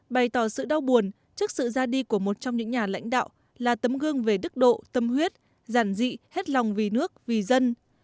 bày tỏ sự đau buồn trước sự ra đi của một trong những nhà lãnh đạo là tấm gương về đức độ tâm huyết giản dị hết lòng vì nước vì dân